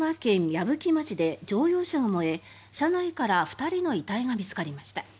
矢吹町で乗用車が燃え車内から２人の遺体が見つかりました。